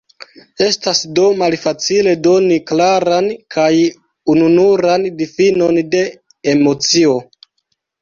Estas do malfacile doni klaran kaj ununuran difinon de emocio.